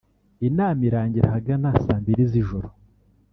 Inama irangira ahagana saa mbiri z’ijoro